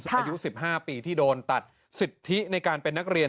อายุ๑๕ปีที่โดนตัดสิทธิในการเป็นนักเรียน